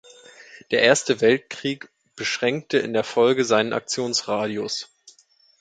Der Erste Weltkrieg beschränkte in der Folge seinen Aktionsradius.